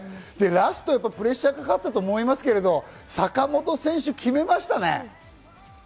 ラスト、プレッシャーかかったと思いますけれど坂本選手、決めましたね。